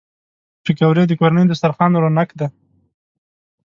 پکورې د کورني دسترخوان رونق دي